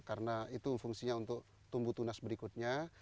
karena itu fungsinya untuk tumbuh tunas berikutnya